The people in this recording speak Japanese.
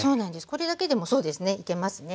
これだけでもそうですねいけますね。